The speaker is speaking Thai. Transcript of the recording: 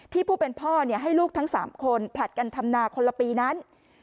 ที่ผู้เป็นพ่อเนี่ยให้ลูกทั้งสามคนผลัดการธำนาคนละปีนั้น